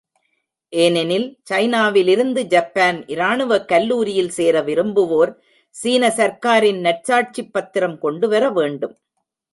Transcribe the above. ஏனெனில் சைனாவிலிருந்து ஜப்பான் இராணுவக் கல்லூரியில் சேர விரும்புவோர் சீன சர்க்காரின் நற்சாட்சிப் பத்திரம் கொண்டுவர வேண்டும்.